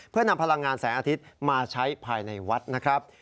เพื่อนำพลังงานแสงอาทิตย์มาใช้ภายในวัดนะครับ